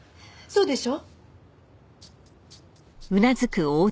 そうでしょ？